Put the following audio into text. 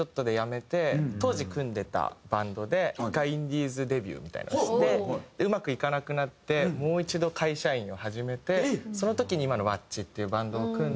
当時組んでたバンドで１回インディーズデビューみたいなのをしてうまくいかなくなってもう一度会社員を始めてその時に今のｗａｃｃｉっていうバンドを組んで。